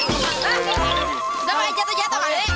udah makanya jatuh jatuh males